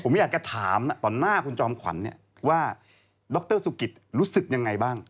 ผมอยากจะถามต่อหน้าคุณจอมขวัญว่าดรสุกิตรู้สึกยังไงบ้าง